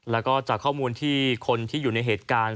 แล้วก็จากข้อมูลที่คนที่อยู่ในเหตุการณ์